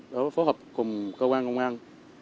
để phối hợp cùng cơ quan công an